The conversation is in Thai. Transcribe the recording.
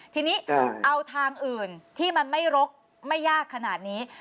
ทีนี้เอาทางอื่นที่มันไม่รกไม่ยากขนาดนี้